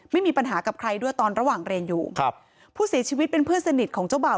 ไม่มีปัญหากับใครด้วยตอนระหว่างเรียนอยู่ครับผู้เสียชีวิตเป็นเพื่อนสนิทของเจ้าบ่าว